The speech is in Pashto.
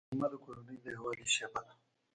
غرمه د کورنۍ د یووالي شیبه ده